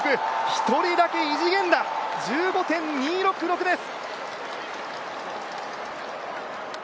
一人だけ異次元だ、１５．２６６です。